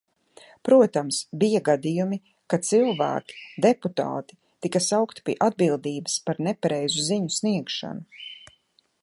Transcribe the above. Protams, bija gadījumi, ka cilvēki, deputāti, tika saukti pie atbildības par nepareizu ziņu sniegšanu.